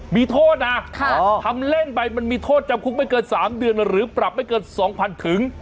มีโทษนะทำเล่นไปมันมีโทษจำคุกไม่เกิน๓เดือนหรือปรับไม่เกิน๒๐๐๐ถึง